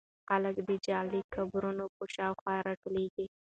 خلک د جعلي قبرونو په شاوخوا راټولېږي.